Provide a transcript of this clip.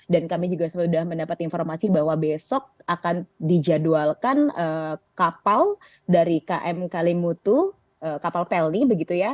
kami juga sudah mendapat informasi bahwa besok akan dijadwalkan kapal dari km kalimutu kapal pelni begitu ya